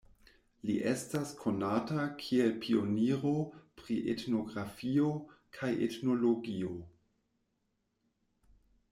Li estas konata kiel pioniro pri etnografio kaj etnologio.